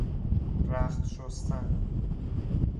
رخت شستن